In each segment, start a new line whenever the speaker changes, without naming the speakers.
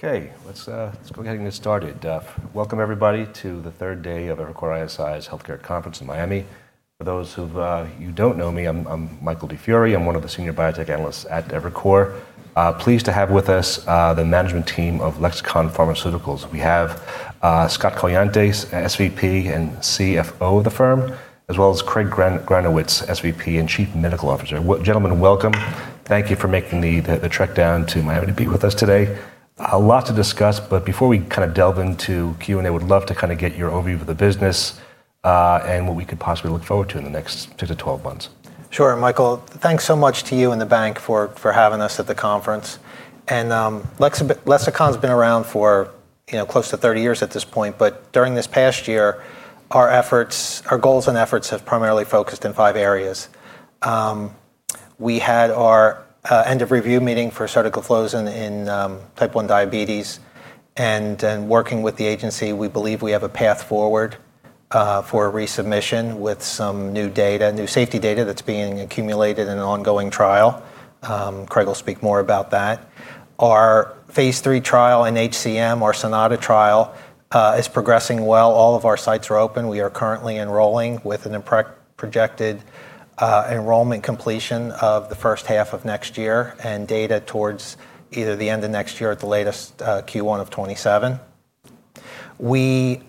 Okay, let's go ahead and get started. Welcome, everybody, to the third day of Evercore ISI's Healthcare Conference in Miami. For those who don't know me, I'm Michael DiFiore. I'm one of the senior biotech analysts at Evercore. Pleased to have with us the management team of Lexicon Pharmaceuticals. We have Scott Coiante, SVP and CFO of the firm, as well as Craig Granowitz, SVP and Chief Medical Officer. Gentlemen, welcome. Thank you for making the trek down to Miami to be with us today. A lot to discuss, but before we kind of delve into Q&A, we'd love to kind of get your overview of the business and what we could possibly look forward to in the next 10 to 12 months.
Sure, Michael. Thanks so much to you and the bank for having us at the conference. And Lexicon's been around for close to 30 years at this point, but during this past year, our efforts, our goals and efforts have primarily focused in five areas. We had our end-of-review meeting for Zynquista in type 1 diabetes, and working with the agency, we believe we have a path forward for resubmission with some new data, new safety data that's being accumulated in an ongoing trial. Craig will speak more about that. Our phase III trial in HCM, our SONATA trial, is progressing well. All of our sites are open. We are currently enrolling with a projected enrollment completion of the first half of next year and data towards either the end of next year at the latest Q1 of 2027.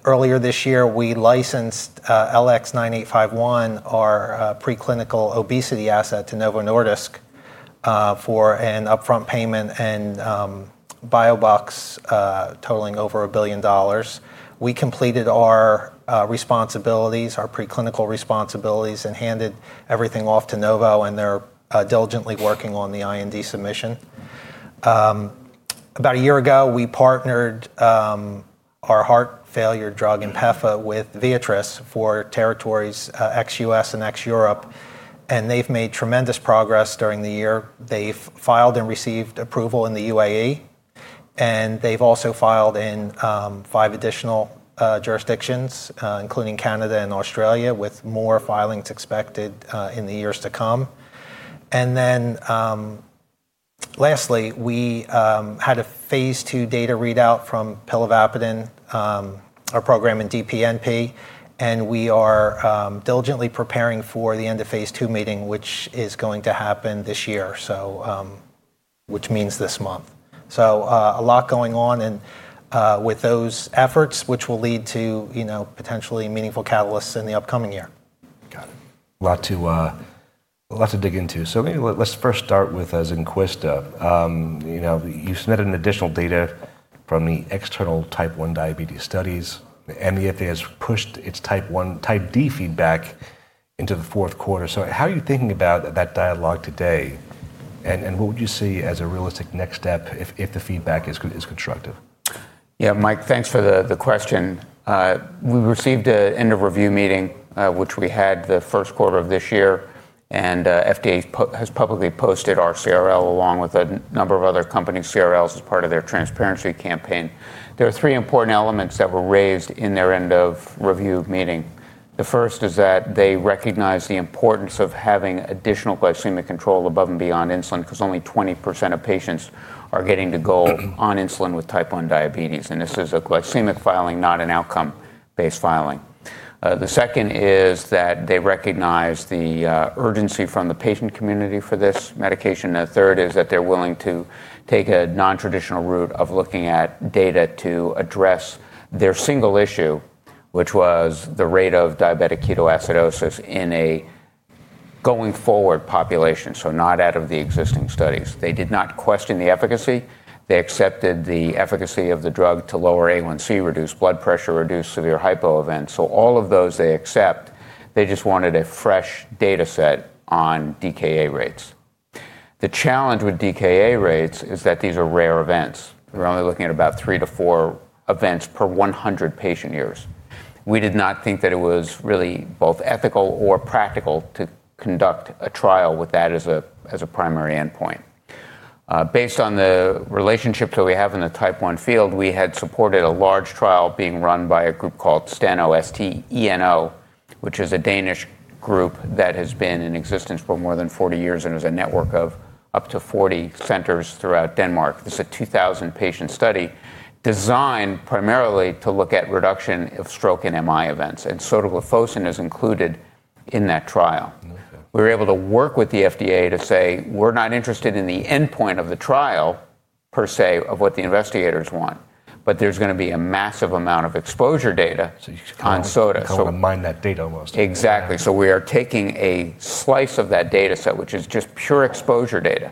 Earlier this year, we licensed LX9851, our preclinical obesity asset to Novo Nordisk for an upfront payment and milestones totaling over $1 billion. We completed our responsibilities, our preclinical responsibilities, and handed everything off to Novo, and they're diligently working on the IND submission. About a year ago, we partnered our heart failure drug, INPEFA, with Viatris for territories ex-U.S. and ex-Europe, and they've made tremendous progress during the year. They've filed and received approval in the UAE, and they've also filed in five additional jurisdictions, including Canada and Australia, with more filings expected in the years to come. Then lastly, we had a phase II data readout from pilavapadin, our program in DPNP, and we are diligently End-of-phase II meeting, which is going to happen this year, which means this month. So a lot going on with those efforts, which will lead to potentially meaningful catalysts in the upcoming year.
Got it. A lot to dig into. So maybe let's first start with Zynquista. You submitted additional data from the external type 1 diabetes studies, and the FDA has pushed its Type D feedback into the fourth quarter. So how are you thinking about that dialogue today, and what would you see as a realistic next step if the feedback is constructive?
Yeah, Mike, thanks for the question. We received an end-of-review meeting, which we had the first quarter of this year, and the FDA has publicly posted our CRL along with a number of other companies' CRLs as part of their transparency campaign. There are three important elements that were raised in their end-of-review meeting. The first is that they recognize the importance of having additional glycemic control above and beyond insulin, because only 20% of patients are getting to go on insulin with type 1 diabetes, and this is a glycemic filing, not an outcome-based filing. The second is that they recognize the urgency from the patient community for this medication. And the third is that they're willing to take a non-traditional route of looking at data to address their single issue, which was the rate of diabetic ketoacidosis in a going-forward population, so not out of the existing studies. They did not question the efficacy. They accepted the efficacy of the drug to lower A1C, reduce blood pressure, reduce severe hypo events. So all of those they accept. They just wanted a fresh data set on DKA rates. The challenge with DKA rates is that these are rare events. We're only looking at about three to four events per 100 patient years. We did not think that it was really both ethical or practical to conduct a trial with that as a primary endpoint. Based on the relationships that we have in the type 1 field, we had supported a large trial being run by a group called Steno, which is a Danish group that has been in existence for more than 40 years and is a network of up to 40 centers throughout Denmark. This is a 2,000-patient study designed primarily to look at reduction of stroke and MI events, and sotagliflozin is included in that trial. We were able to work with the FDA to say, we're not interested in the endpoint of the trial, per se, of what the investigators want, but there's going to be a massive amount of exposure data on sotagliflozin.
Kind of a mine that data almost.
Exactly. So we are taking a slice of that data set, which is just pure exposure data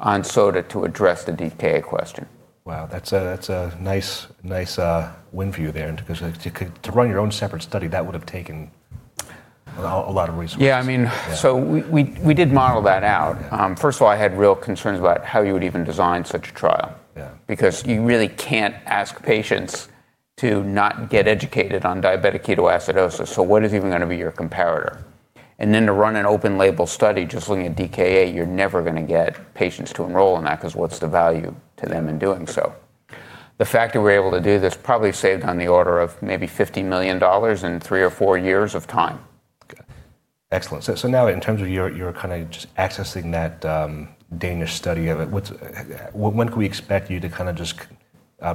on Sota to address the DKA question.
Wow, that's a nice win-win there, because to run your own separate study, that would have taken a lot of resources.
Yeah, I mean, so we did model that out. First of all, I had real concerns about how you would even design such a trial, because you really can't ask patients to not get educated on diabetic ketoacidosis. So what is even going to be your comparator? And then to run an open-label study just looking at DKA, you're never going to get patients to enroll in that, because what's the value to them in doing so? The fact that we're able to do this probably saved on the order of maybe $50 million in three or four years of time.
Excellent. So now in terms of your kind of just accessing that Danish study, when can we expect you to kind of just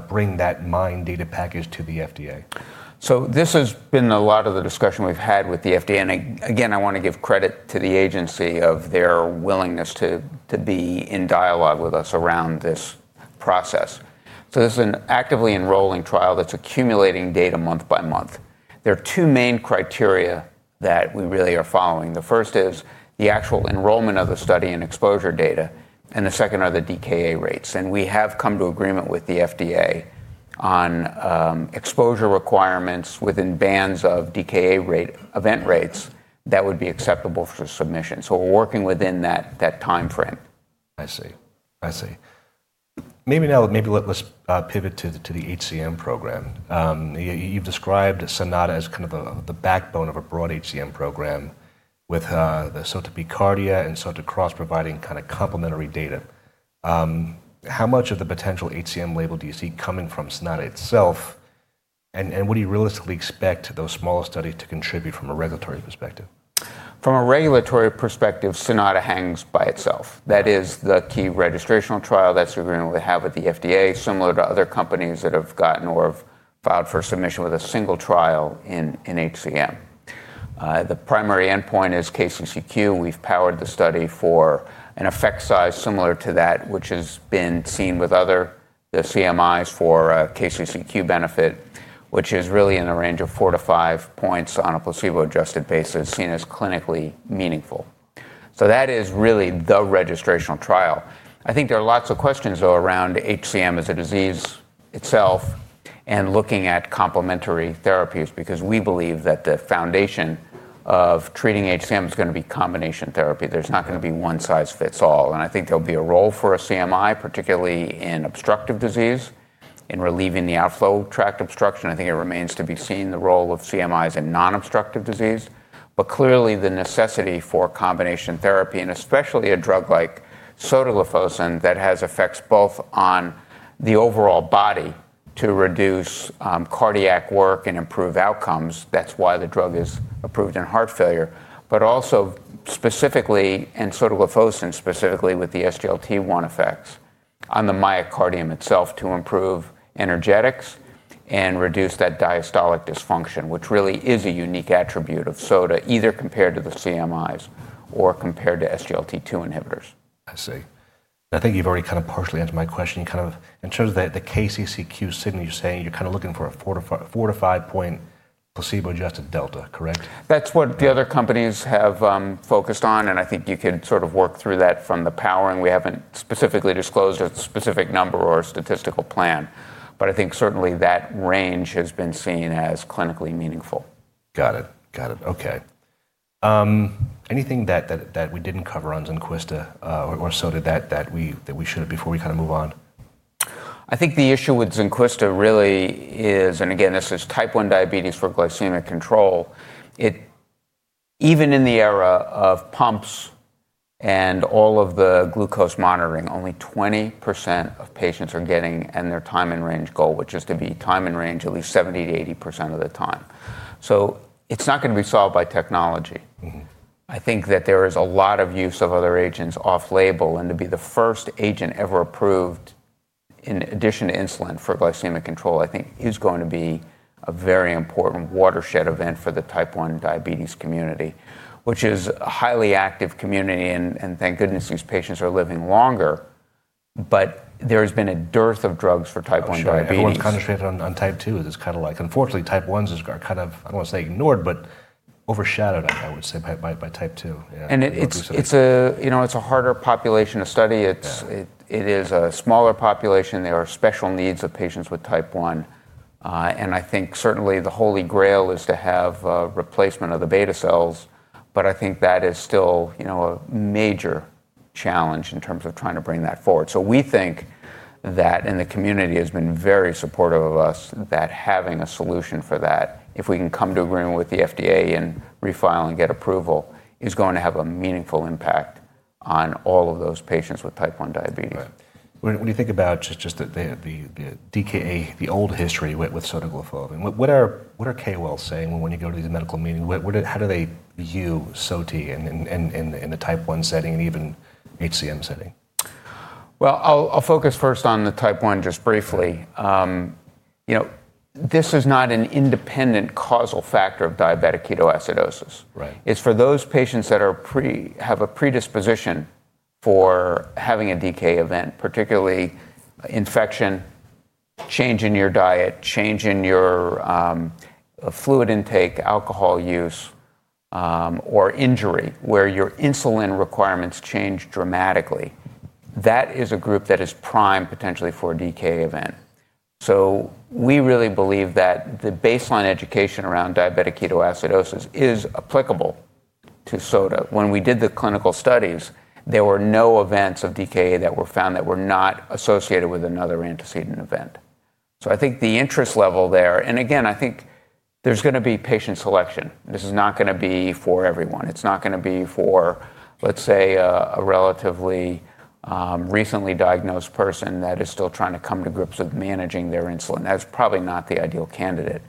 bring that main data package to the FDA?
So this has been a lot of the discussion we've had with the FDA, and again, I want to give credit to the agency of their willingness to be in dialogue with us around this process. So this is an actively enrolling trial that's accumulating data month by month. There are two main criteria that we really are following. The first is the actual enrollment of the study and exposure data, and the second are the DKA rates. And we have come to agreement with the FDA on exposure requirements within bands of DKA event rates that would be acceptable for submission. So we're working within that timeframe.
I see. I see. Maybe now let's pivot to the HCM program. You've described SONATA as kind of the backbone of a broad HCM program with the sotagliflozin and sotagliflozin crossover providing kind of complementary data. How much of the potential HCM label do you see coming from SONATA itself, and what do you realistically expect those smaller studies to contribute from a regulatory perspective?
From a regulatory perspective, SONATA hangs by itself. That is the key registration trial that's the agreement we have with the FDA, similar to other companies that have gotten or have filed for submission with a single trial in HCM. The primary endpoint is KCCQ. We've powered the study for an effect size similar to that, which has been seen with other CMIs for KCCQ benefit, which is really in the range of four to five points on a placebo-adjusted basis, seen as clinically meaningful, so that is really the registration trial. I think there are lots of questions, though, around HCM as a disease itself and looking at complementary therapies, because we believe that the foundation of treating HCM is going to be combination therapy. There's not going to be one size fits all. I think there'll be a role for a CMI, particularly in obstructive disease, in relieving the outflow tract obstruction. I think it remains to be seen the role of CMIs in non-obstructive disease, but clearly the necessity for combination therapy, and especially a drug like sotagliflozin that has effects both on the overall body to reduce cardiac work and improve outcomes. That's why the drug is approved in heart failure, but also specifically in sotagliflozin, specifically with the SGLT1 effects on the myocardium itself to improve energetics and reduce that diastolic dysfunction, which really is a unique attribute of sotagliflozin, either compared to the CMIs or compared to SGLT2 inhibitors.
I see. I think you've already kind of partially answered my question. Kind of in terms of the KCCQ signal, you're saying you're kind of looking for a four- to five-point placebo-adjusted delta, correct?
That's what the other companies have focused on, and I think you can sort of work through that from the powering. We haven't specifically disclosed a specific number or a statistical plan, but I think certainly that range has been seen as clinically meaningful.
Got it. Got it. Okay. Anything that we didn't cover on Zynquista or Sota that we should have before we kind of move on?
I think the issue with Zynquista really is, and again, this is type 1 diabetes for glycemic control. Even in the era of pumps and all of the glucose monitoring, only 20% of patients are getting in their time in range goal, which is to be time in range at least 70%-80% of the time. So it's not going to be solved by technology. I think that there is a lot of use of other agents off-label, and to be the first agent ever approved in addition to insulin for glycemic control, I think is going to be a very important watershed event for the type 1 diabetes community, which is a highly active community, and thank goodness these patients are living longer, but there has been a dearth of drugs for type 1 diabetes.
Sure. I want to concentrate on type 2. It's kind of like, unfortunately, type 1s are kind of, I don't want to say ignored, but overshadowed, I would say, by type 2.
It's a harder population to study. It is a smaller population. There are special needs of patients with type 1, and I think certainly the Holy Grail is to have a replacement of the beta cells, but I think that is still a major challenge in terms of trying to bring that forward. We think that the community has been very supportive of us that having a solution for that, if we can come to agreement with the FDA and refile and get approval, is going to have a meaningful impact on all of those patients with type 1 diabetes.
When you think about just the DKA, the old history with sotagliflozin, what are KOLs saying when you go to these medical meetings? How do they view sotagliflozin in the type 1 setting and even HCM setting?
I'll focus first on the type 1 just briefly. This is not an independent causal factor of diabetic ketoacidosis. It's for those patients that have a predisposition for having a DKA event, particularly infection, change in your diet, change in your fluid intake, alcohol use, or injury where your insulin requirements change dramatically. That is a group that is prime potentially for a DKA event. So we really believe that the baseline education around diabetic ketoacidosis is applicable to SOTA. When we did the clinical studies, there were no events of DKA that were found that were not associated with another antecedent event. So I think the interest level there, and again, I think there's going to be patient selection. This is not going to be for everyone. It's not going to be for, let's say, a relatively recently diagnosed person that is still trying to come to grips with managing their insulin. That's probably not the ideal candidate.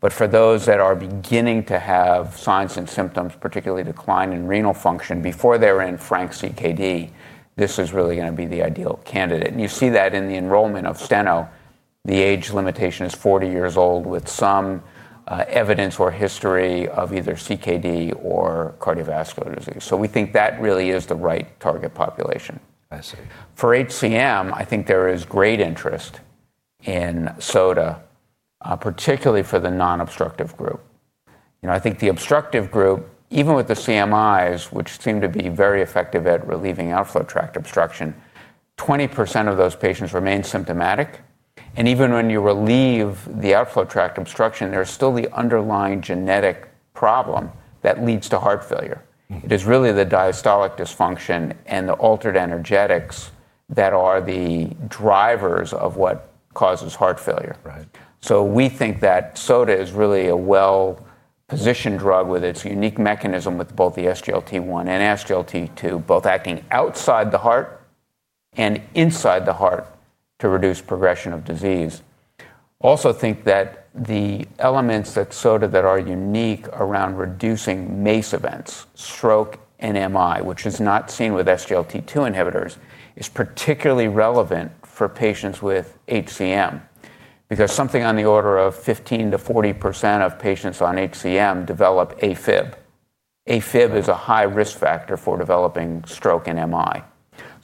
But for those that are beginning to have signs and symptoms, particularly decline in renal function before they're in frank CKD, this is really going to be the ideal candidate, and you see that in the enrollment of Steno. The age limitation is 40 years old with some evidence or history of either CKD or cardiovascular disease, so we think that really is the right target population. For HCM, I think there is great interest in SOTA, particularly for the non-obstructive group. I think the obstructive group, even with the CMIs, which seem to be very effective at relieving outflow tract obstruction, 20% of those patients remain symptomatic. Even when you relieve the outflow tract obstruction, there's still the underlying genetic problem that leads to heart failure. It is really the diastolic dysfunction and the altered energetics that are the drivers of what causes heart failure. We think that Sota is really a well-positioned drug with its unique mechanism with both the SGLT1 and SGLT2, both acting outside the heart and inside the heart to reduce progression of disease. Also think that the elements that Sota that are unique around reducing MACE events, stroke and MI, which is not seen with SGLT2 inhibitors, is particularly relevant for patients with HCM, because something on the order of 15%-40% of patients on HCM develop AFib. AFib is a high risk factor for developing stroke and MI.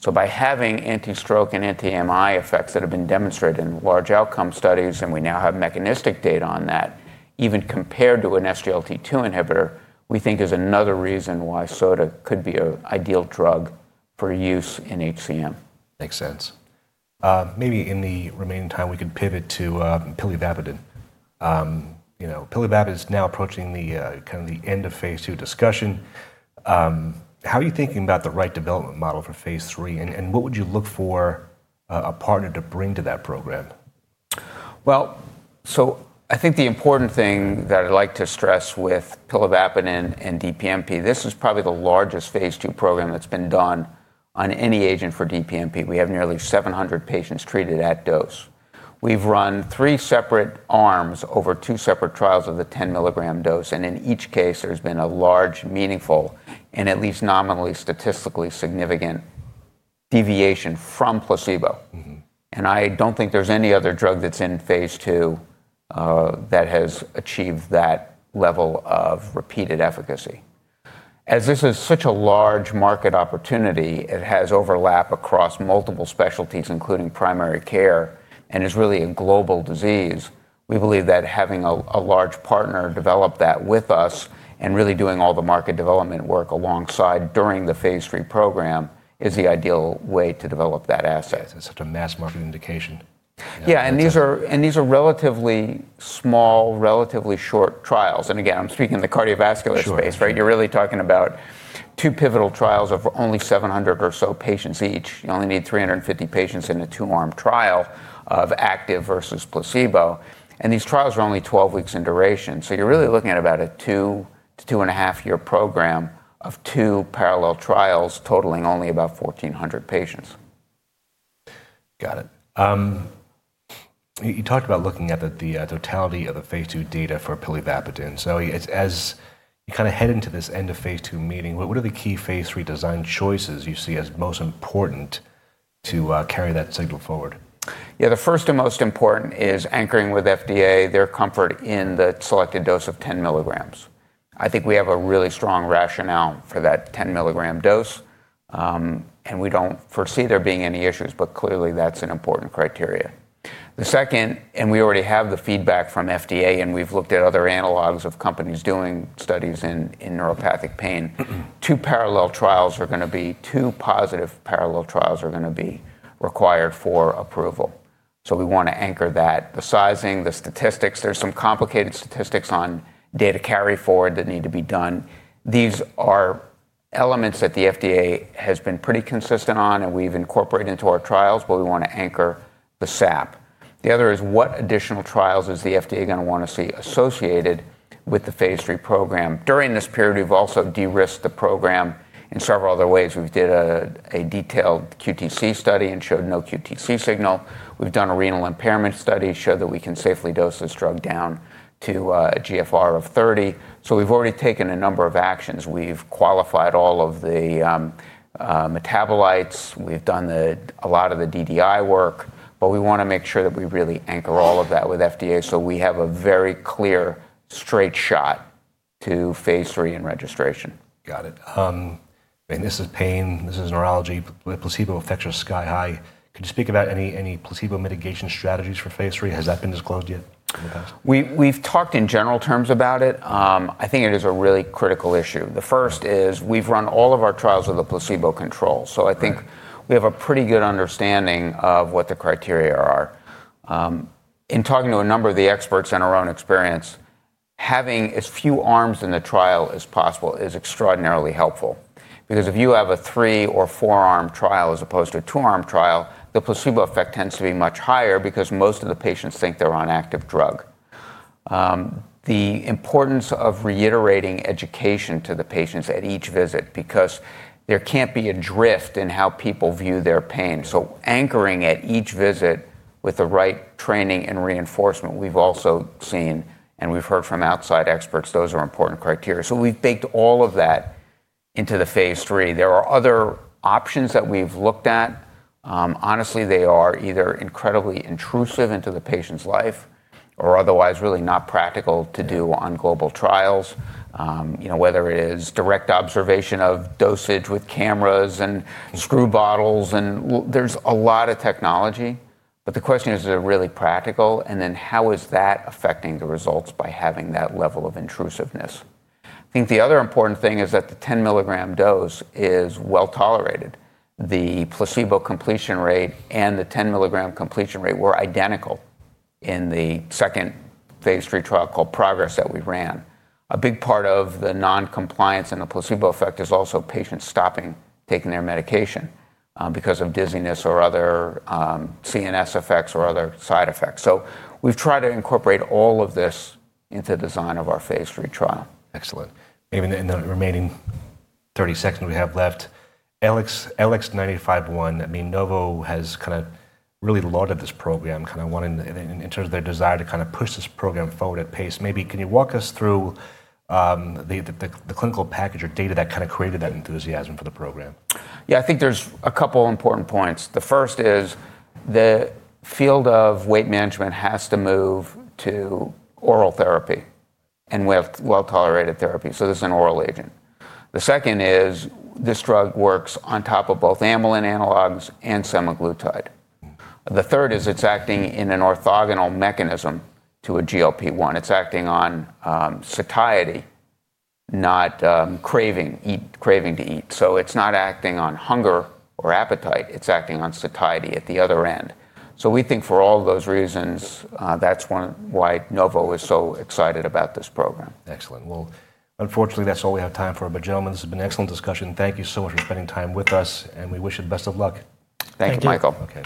So by having anti-stroke and anti-MI effects that have been demonstrated in large outcome studies, and we now have mechanistic data on that, even compared to an SGLT2 inhibitor, we think is another reason why Sota could be an ideal drug for use in HCM.
Makes sense. Maybe in the remaining time, we can pivot to pilavapadin? Pilavapadin is now approaching End-of-phase II discussion. How are you thinking about the right development model for phase III? And what would you look for a partner to bring to that program?
I think the important thing that I'd like to stress with pilavapadin and DPNP, this is probably the largest phase II program that's been done on any agent for DPNP. We have nearly 700 patients treated at dose. We've run three separate arms over two separate trials of the 10 mg dose, and in each case, there's been a large, meaningful, and at least nominally, statistically significant deviation from placebo. And I don't think there's any other drug that's in phase II that has achieved that level of repeated efficacy. As this is such a large market opportunity, it has overlap across multiple specialties, including primary care, and is really a global disease. We believe that having a large partner develop that with us and really doing all the market development work alongside during the phase III program is the ideal way to develop that asset.
That's such a mass market indication.
Yeah, and these are relatively small, relatively short trials. And again, I'm speaking of the cardiovascular space, right? You're really talking about two pivotal trials of only 700 or so patients each. You only need 350 patients in a two-arm trial of active versus placebo. And these trials are only 12 weeks in duration. So you're really looking at about a two to two and a half year program of two parallel trials totaling only about 1,400 patients.
Got it. You talked about looking at the totality of the phase II data for pilavapadin. So as you kind of End-of-phase II meeting, what are the key phase III design choices you see as most important to carry that signal forward?
Yeah, the first and most important is anchoring with FDA their comfort in the selected dose of 10 mg. I think we have a really strong rationale for that 10 mg dose, and we don't foresee there being any issues, but clearly that's an important criteria. The second, and we already have the feedback from FDA, and we've looked at other analogs of companies doing studies in neuropathic pain. Two positive parallel trials are going to be required for approval. So we want to anchor that. The sizing, the statistics, there's some complicated statistics on data carry forward that need to be done. These are elements that the FDA has been pretty consistent on, and we've incorporated into our trials, but we want to anchor the SAP. The other is what additional trials is the FDA going to want to see associated with the phase III program? During this period, we've also de-risked the program in several other ways. We've done a detailed QTc study and showed no QTc signal. We've done a renal impairment study and showed that we can safely dose this drug down to a GFR of 30. So we've already taken a number of actions. We've qualified all of the metabolites. We've done a lot of the DDI work, but we want to make sure that we really anchor all of that with FDA so we have a very clear straight shot to phase III and registration.
Got it. This is pain. This is neurology. Placebo effects are sky high. Could you speak about any placebo mitigation strategies for phase III? Has that been disclosed yet in the past?
We've talked in general terms about it. I think it is a really critical issue. The first is we've run all of our trials of the placebo control. So I think we have a pretty good understanding of what the criteria are. In talking to a number of the experts and our own experience, having as few arms in the trial as possible is extraordinarily helpful, because if you have a three or four-arm trial as opposed to a two-arm trial, the placebo effect tends to be much higher because most of the patients think they're on active drug. The importance of reiterating education to the patients at each visit, because there can't be a drift in how people view their pain. So anchoring at each visit with the right training and reinforcement we've also seen, and we've heard from outside experts, those are important criteria. We've baked all of that into the phase III. There are other options that we've looked at. Honestly, they are either incredibly intrusive into the patient's life or otherwise really not practical to do on global trials, whether it is direct observation of dosage with cameras and screw bottles, and there's a lot of technology, but the question is, is it really practical? And then how is that affecting the results by having that level of intrusiveness? I think the other important thing is that the 10 mg dose is well tolerated. The placebo completion rate and the 10 mg completion rate were identical in the second phase III trial called PROGRESS that we ran. A big part of the non-compliance and the placebo effect is also patients stopping taking their medication because of dizziness or other CNS effects or other side effects. We’ve tried to incorporate all of this into the design of our phase III trial.
Excellent. Maybe in the remaining 30 seconds we have left, LX9851, I mean, Novo has kind of really lauded this program, kind of wanting in terms of their desire to kind of push this program forward at pace. Maybe can you walk us through the clinical package or data that kind of created that enthusiasm for the program?
Yeah, I think there's a couple of important points. The first is the field of weight management has to move to oral therapy and well tolerated therapy. So this is an oral agent. The second is this drug works on top of both amylin analogs and semaglutide. The third is it's acting in an orthogonal mechanism to a GLP-1. It's acting on satiety, not craving to eat. So it's not acting on hunger or appetite. It's acting on satiety at the other end. So we think for all of those reasons, that's why Novo is so excited about this program.
Excellent. Well, unfortunately, that's all we have time for. But gentlemen, this has been an excellent discussion. Thank you so much for spending time with us, and we wish you the best of luck.
Thank you, Michael.